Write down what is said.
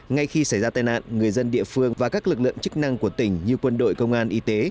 ngay khi xảy ra tai nạn người dân địa phương và các lực lượng chức năng của tỉnh như quân đội công an y tế